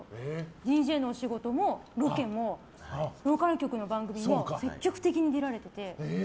ＤＪのお仕事もロケもローカル局の番組も積極的に出られてて。